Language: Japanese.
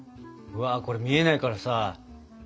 うわこれ見えないからさ。